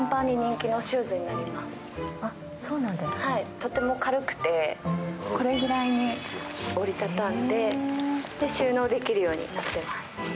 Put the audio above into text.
とっても軽くて、これくらいに折り畳んで収納できるようになっています。